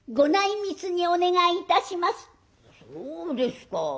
「そうですか。